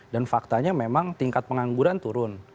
dan faktanya memang tingkat pengangguran turun